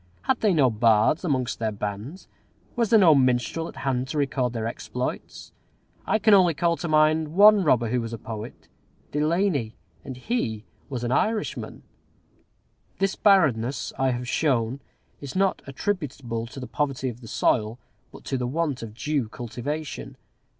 Had they no bards amongst their bands? Was there no minstrel at hand to record their exploits? I can only call to mind one robber who was a poet, Delany, and he was an Irishman. This barrenness, I have shown, is not attributable to the poverty of the soil, but to the want of due cultivation.